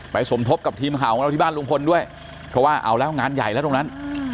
สมทบกับทีมข่าวของเราที่บ้านลุงพลด้วยเพราะว่าเอาแล้วงานใหญ่แล้วตรงนั้น